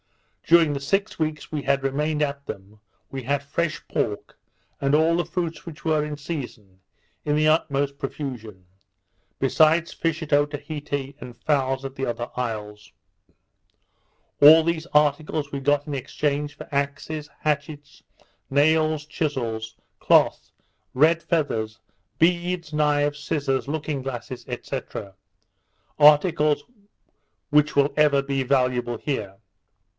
During the six weeks we had remained at them, we had fresh pork, and all the fruits which were in season, in the utmost profusion; besides fish at Otaheite, and fowls at the other isles. All these articles we got in exchange for axes, hatchets, nails, chissels, cloth, red feathers, beads, knives, scissars, looking glasses, &c. articles which will ever be valuable here.